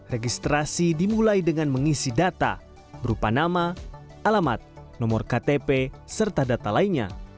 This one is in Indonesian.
registrasi dimulai dengan mengisi data berupa nama alamat nomor ktp serta data lainnya